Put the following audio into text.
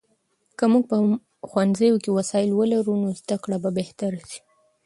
که موږ په ښوونځي کې وسایل ولرو، نو زده کړه به بهتره سي.